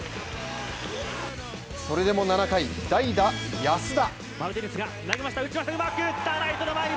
それでも７回、代打・安田。